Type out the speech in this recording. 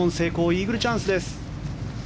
イーグルチャンスです。